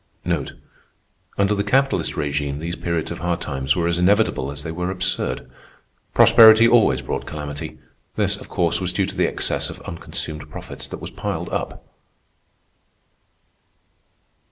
Under the capitalist régime these periods of hard times were as inevitable as they were absurd. Prosperity always brought calamity. This, of course, was due to the excess of unconsumed profits that was piled up.